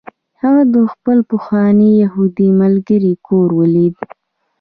هغه د خپل پخواني یهودي ملګري کور ولید